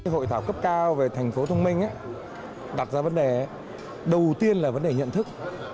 hội thảo cấp cao về tp thông minh đặt ra vấn đề đầu tiên là vấn đề nhận thức